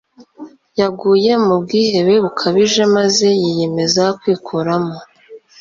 Yaguye mu bwihebe bukabije maze yiyemeza kwikuramo.